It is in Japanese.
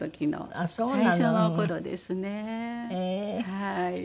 はい。